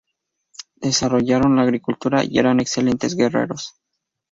Desarrollaron la agricultura y eran excelentes guerreros.